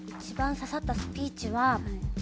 一番刺さったスピーチは。